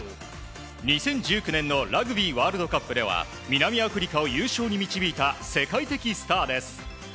２０１９年のラグビーワールドカップでは南アフリカを優勝に導いた世界的スターです。